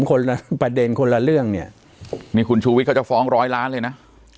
คนละประเด็นคนละเรื่องเนี่ยนี่คุณชูวิทยเขาจะฟ้องร้อยล้านเลยนะ